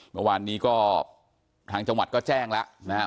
เมื่อวานนี้ก็ทางจังหวัดก็แจ้งแล้วนะครับ